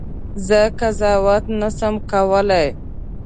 زه قضاوت نه سم کولای.